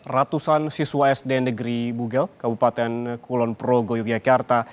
ratusan siswa sd negeri bugel kabupaten kulon progo yogyakarta